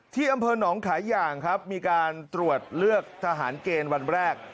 ที่อำเภอหนองขายอย่างครับมีการตรวจเลือกทหารเกณฑ์วันแรก